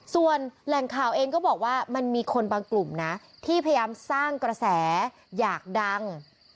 ส่วนแหล่งข่าวเองก็บอกว่ามันมีคนบางกลุ่มนะที่พยายามสร้างกระแสอยากดัง